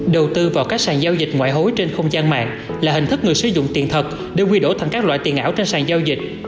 đầu tư vào các sàn giao dịch ngoại hối trên không gian mạng là hình thức người sử dụng tiền thật để quy đổi thành các loại tiền ảo trên sàn giao dịch